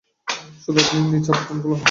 শুধু আপনি নিচে অবতরণ করলেই হবে।